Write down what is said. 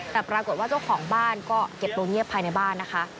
แต่ปรากฏว่าเจ้าของบ้านก็เก็บตัวเงียบภายในบ้านนะคะ